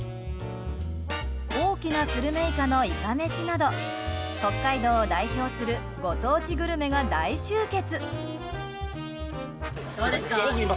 大きなスルメイカのいかめしなど北海道を代表するご当地グルメが大集結。